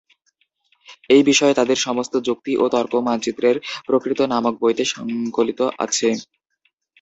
এই বিষয়ে তাদের সমস্ত যুক্তি ও তর্ক মানচিত্রের প্রকৃতি নামক বইতে সংকলিত আছে।